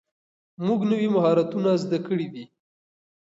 موږ نوي مهارتونه زده کړي دي.